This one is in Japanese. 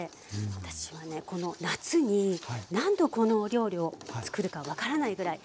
私はねこの夏に何度このお料理を作るか分からないぐらい。